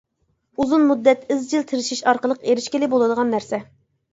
ئۇزۇن مۇددەت ئىزچىل تىرىشىش ئارقىلىق ئېرىشكىلى بولىدىغان نەرسە.